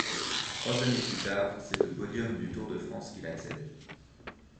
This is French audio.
Trois années plus tard c'est au podium du Tour de France qu'il accède.